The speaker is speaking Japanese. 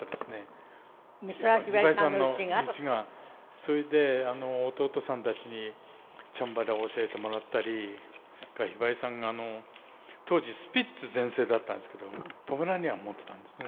それで弟さんたちにチャンバラ教えてもらったりひばりさんが当時スピッツ全盛だったんですけどポメラニアンを持っていたんですね。